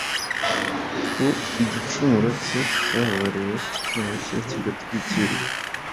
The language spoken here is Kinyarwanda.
ko igicumuro cye cyababariwe, icyaha cye kigatwikirwa.